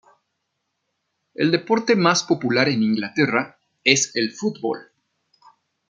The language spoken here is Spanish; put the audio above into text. El deporte más popular en Inglaterra es el fútbol.